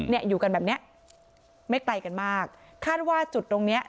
เนี่ยอยู่กันแบบเนี้ยไม่ไกลกันมากคาดว่าจุดตรงเนี้ย